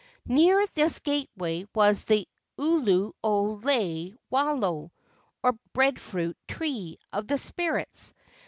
Near this gateway was the Ulu o lei walo, or breadfruit tree of the spirits.